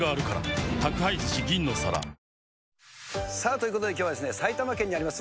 ということで、きょうは埼玉県にあります